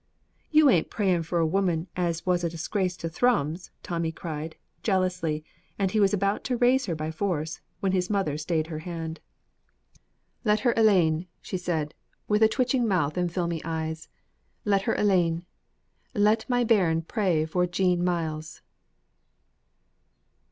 "You ain't praying for a woman as was a disgrace to Thrums!" Tommy cried, jealously, and he was about to raise her by force, when his mother stayed his hand. "Let her alane," she said, with a twitching mouth and filmy eyes. "Let her alane. Let my bairn pray for Jean Myles."